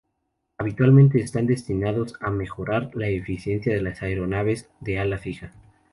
Habitualmente están destinados a mejorar la eficiencia de las aeronaves de ala fija.